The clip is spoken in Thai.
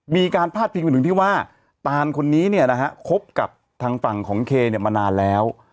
มีการพลาดพิมพ์ถึงที่ว่าตานคนนี้เนี้ยนะฮะคบกับทางฝั่งของเคเนี้ยมานานแล้ว